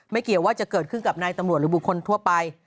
เกี่ยวว่าจะเกิดขึ้นกับนายตำรวจหรือบุคคลทั่วไป